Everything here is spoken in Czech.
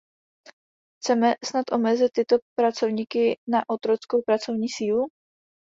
Chceme snad omezit tyto pracovníky na otrockou pracovní sílu?